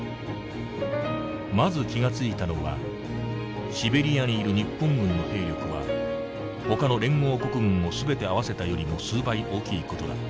「まず気が付いたのはシベリアにいる日本軍の兵力はほかの連合国軍を全て合わせたよりも数倍大きい事だった。